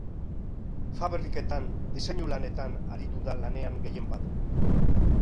Fabriketan, diseinu lanetan, aritu da lanean gehienbat.